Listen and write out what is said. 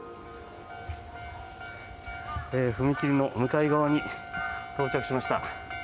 踏切の向かい側に到着しました。